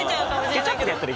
ケチャップでやったら。